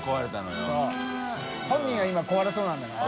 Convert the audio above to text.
修本人は今壊れそうなんだから。